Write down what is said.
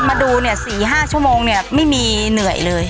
คนมาดูเนี้ยสี่ห้าชั่วโมงเนี้ยไม่มีเหนื่อยเลย